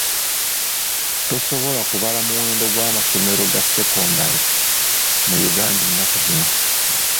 Tosobola kubala muwendo gw'amasomero ga ssekondale mu Uganda ennaku zino.